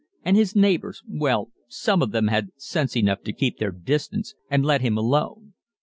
And his neighbors well, some of them had sense enough to keep their distance and let him alone.